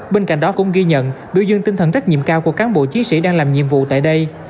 bên cạnh đó cũng ghi nhận biểu dương tinh thần trách nhiệm cao của cán bộ chiến sĩ đang làm nhiệm vụ tại đây